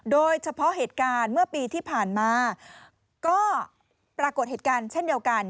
โดยเฉพาะเหตุการณ์เมื่อปีที่ผ่านมาก็ปรากฏเหตุการณ์เช่นเดียวกัน